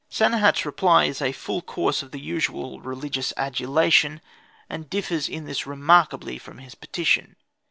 Sanehat's reply is a full course of the usual religious adulation, and differs in this remarkably from his petition.